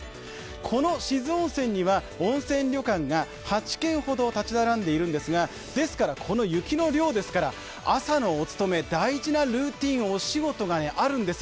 この志津温泉には温泉旅館が８軒のど立ち並んでいるんですがですからこの雪の量ですから朝のお務め、大事な朝のルーチン、お仕事があるんですよ。